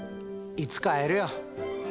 いつか会えるよ。